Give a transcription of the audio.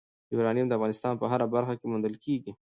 یورانیم د افغانستان په هره برخه کې موندل کېږي.